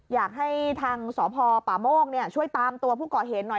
อยากให้ทางสพป่าโมกช่วยตามตัวผู้ก่อเหตุหน่อย